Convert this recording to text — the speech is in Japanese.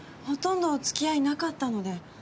ほとんど付き合いなかったので。